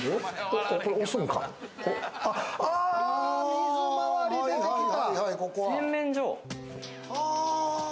水回り出てきた。